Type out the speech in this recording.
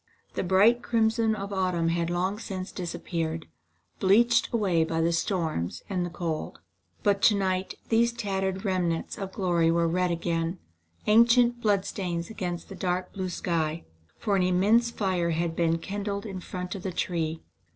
The bright crimson of autumn had long since disappeared, bleached away by the storms and the cold. But to night these tattered remnants of glory were red again: ancient bloodstains against the dark blue sky. For an immense fire had been kindled in front of the tree.